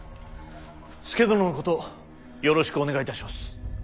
佐殿のことよろしくお願いいたします。